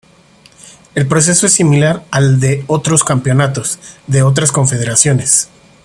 El proceso es similar al de otros campeonatos de otras confederaciones.